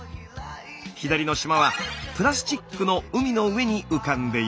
左の島はプラスチックの海の上に浮かんでいます。